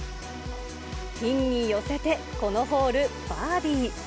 ピンに寄せて、このホール、バーディーに。